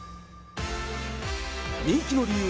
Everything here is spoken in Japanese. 人気の理由